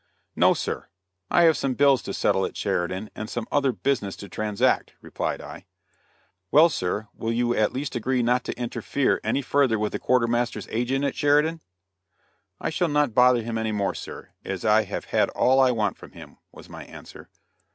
"No, sir; I have some bills to settle at Sheridan and some other business to transact," replied I. "Well, sir; will you at least agree not to interfere any further with the quartermaster's agent at Sheridan?" "I shall not bother him any more, sir, as I have had all I want from him," was my answer.